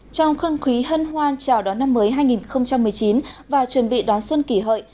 trong khuôn khí hân hoan chào đón năm mới hai nghìn một mươi chín và chuẩn bị đón xuân kỷ hợi